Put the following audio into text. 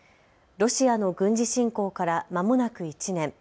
ロシアの軍事侵攻からまもなく１年。